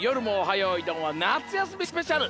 よいどん」はなつやすみスペシャル！